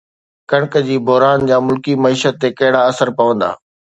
ڪڻڪ جي بحران جا ملڪي معيشت تي ڪهڙا اثر پوندا؟